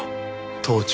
盗聴。